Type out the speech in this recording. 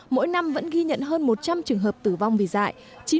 mỗi năm vẫn ghi nhận hơn một trăm linh trường hợp tử vong vì dại